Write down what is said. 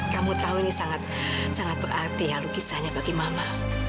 kamu tahu ini sangat berarti ya lukisannya bagi mama